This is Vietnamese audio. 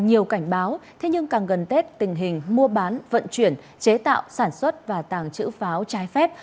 nhiều cảnh báo thế nhưng càng gần tết tình hình mua bán vận chuyển chế tạo sản xuất và tàng trữ pháo trái phép